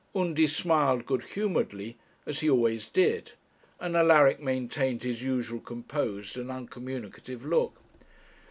Undy smiled good humouredly, as he always did; and Alaric maintained his usual composed and uncommunicative look.